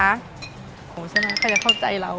ไม่ใช่มากใครจะเข้าใจเรา